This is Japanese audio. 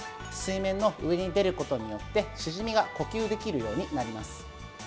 水面の上に出ることによってシジミが呼吸できるようになります。